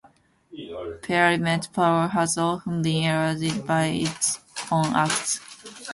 Parliament's power has often been eroded by its own Acts.